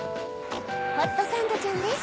ホットサンドちゃんです